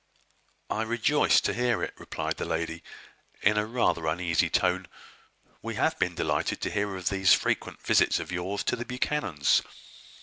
"I rejoice to hear it," replied the lady, in a rather uneasy tone. "We have been delighted to hear of these frequent visits of yours to the Buchanans'.